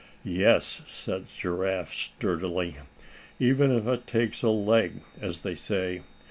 "Yes," said Giraffe, sturdily, "even if it takes a leg, as they say.